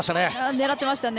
狙ってましたね。